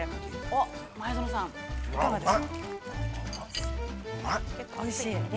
◆前園さん、いかがですか。